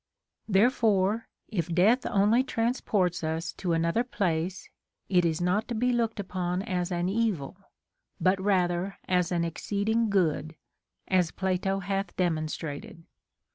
* Therefore, if death only transports us to another place, it is not to be looked upon as an evil, but rather as an ex ceeding good, as Plato hath demonstrated.